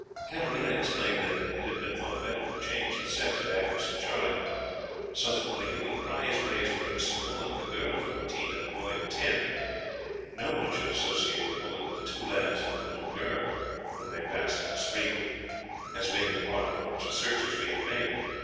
Katarina explained that it had been thought better to change the sex of Agnes and Charlie, so that, when a hue and cry is raised for a missing woman, with a girl of fourteen, and a boy of ten, no one should associate the woman with two lads and a little girl, whom they passed in the street, as being the party for which search is being made.